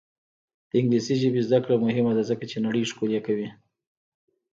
د انګلیسي ژبې زده کړه مهمه ده ځکه چې نړۍ ښکلې کوي.